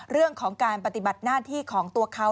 เรื่องของการปฏิบัติหน้าที่ของตัวเขา